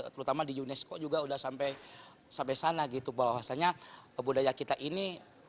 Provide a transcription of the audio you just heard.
terutama di unesco juga sudah sampai sana gitu bahwasanya budaya kita ini